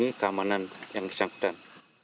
ini keamanan yang disangkutan